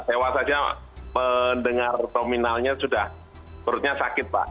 sewa saja mendengar nominalnya sudah perutnya sakit pak